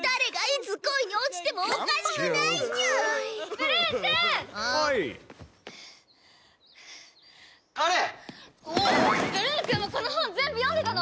ブルーンくんもこの本全部読んでたの？